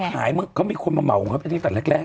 เขาขายมึงเขามีคนมาเหมาครับอันนี้แต่แรกแล้ว